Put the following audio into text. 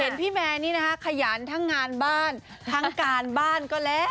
พี่แมร์นี่นะคะขยันทั้งงานบ้านทั้งการบ้านก็แล้ว